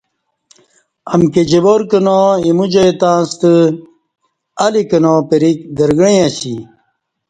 امکی جوار کنا، ا یمو جائی تہ ستہ الی کنا پرِیک درگݩعی اسی